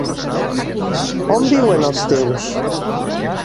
On viuen els teus??